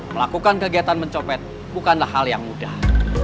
melakukan kegiatan mencopet bukanlah hal yang mudah